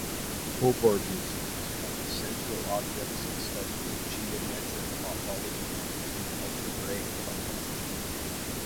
Cobordisms are central objects of study in geometric topology and algebraic topology.